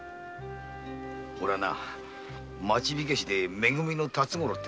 おれはな町火消でめ組の辰五郎ってんだ。